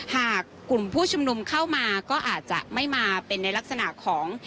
หากกลุ่มผู้ชุมนุมเข้ามาก็อาจจะไม่มาเป็นในลักษณะของ